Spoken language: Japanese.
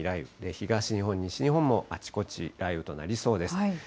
東日本、西日本もあちこち雷雨となりそうです。